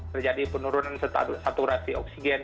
terjadi penurunan saturasi oksigen